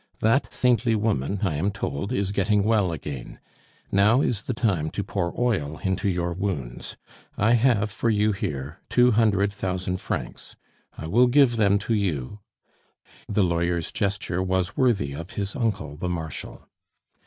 That saintly woman, I am told, is getting well again; now is the time to pour oil into your wounds. I have for you here two hundred thousand francs; I will give them to you " The lawyer's gesture was worthy of his uncle the Marshal.